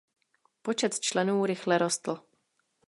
Počet členů rychle rostl.